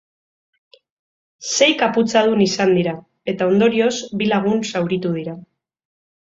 Sei kaputxadun izan dira, eta ondorioz bi lagun zauritu dira.